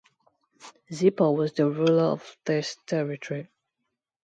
"Zipa" was the ruler of this territory.